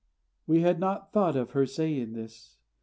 We had not thought of her saying this.